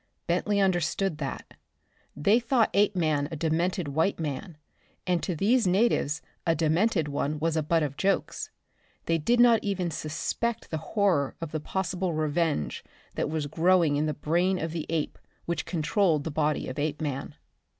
Bentley understood that. They thought Apeman a demented white man, and to these natives a demented one was a butt of jokes. They did not even suspect the horror of the possible revenge that was growing in the brain of the ape which controlled the body of Apeman.